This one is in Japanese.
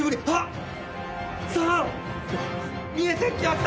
あっ！